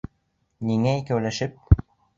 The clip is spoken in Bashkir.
Ниңә икәүләшеп?